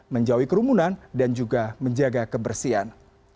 menjauhi kerumunan dan juga menjaga kebersihan